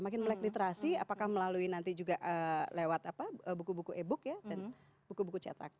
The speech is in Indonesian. makin melek literasi apakah melalui nanti juga lewat apa buku buku e book ya dan buku buku cetak